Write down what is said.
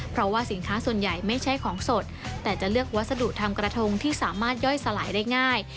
เพราะว่าสินค้าส่วนใหญ่ไม่ใช่ของสดแต่จะเลือกวัสดุทำกระทงที่สามารถย่อยสลายได้ง่าย